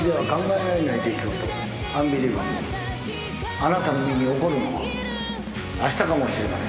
あなたの身に起こるのはあしたかもしれません。